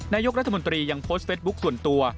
นายกรัฐมนตรียังโพสต์เฟสบุ๊คส่วนตัว